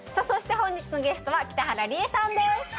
そして本日のゲストは北原里英さんです